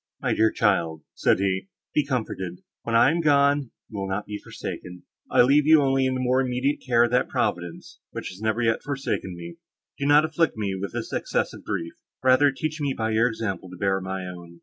"My dear child," said he, "be comforted. When I am gone, you will not be forsaken—I leave you only in the more immediate care of that Providence, which has never yet forsaken me. Do not afflict me with this excess of grief; rather teach me by your example to bear my own."